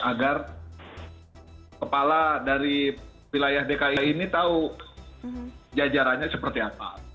agar kepala dari wilayah dki ini tahu jajarannya seperti apa